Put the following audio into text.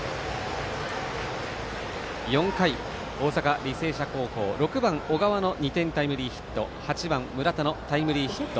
４回、大阪、履正社高校６番小川の２点タイムリーヒット８番、村田のタイムリーヒット。